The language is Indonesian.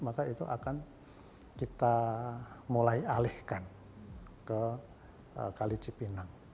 maka itu akan kita mulai alihkan ke kali cipinang